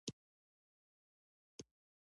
پکورې له ماښامي هوا سره خوند کوي